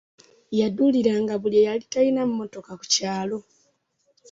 Yaduuliranga buli eyali talina mmotoka ku kyalo.